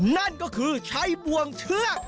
นั่นก็คือใช้บวงเชือก